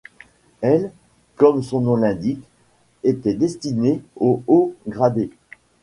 L, comme son nom l'indique, était destiné aux hauts-gradés.